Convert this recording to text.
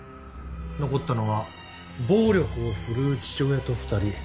残ったのは暴力を振るう父親と二人。